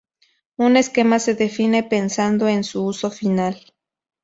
Un esquema se define pensando en su uso final.